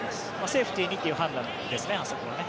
セーフティーにという判断ですねあそこはね。